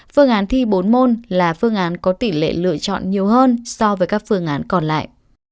phương án thi bốn môn là phương án có tỷ lệ lựa chọn nhiều hơn so với các phương án còn lại